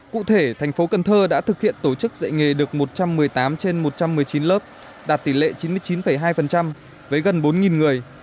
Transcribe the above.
cụ thể thành phố cần thơ đã thực hiện tổ chức dạy nghề được một trăm một mươi tám trên một trăm một mươi chín lớp đạt tỷ lệ chín mươi chín hai với gần bốn người